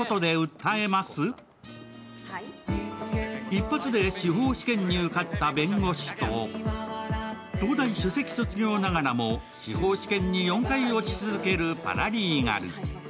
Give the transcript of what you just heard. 一発で司法試験に受かった弁護士と、東大首席卒業ながらも司法試験に４回落ち続けるパラリーガル。